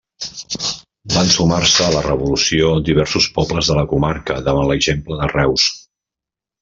Van sumar-se a la revolució diversos pobles de la comarca davant l'exemple de Reus.